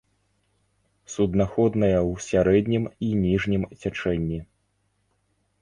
Суднаходная ў сярэднім і ніжнім цячэнні.